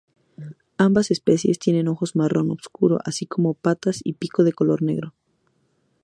Ambas especies tienen ojos marrón oscuro, así como patas y pico de color negro.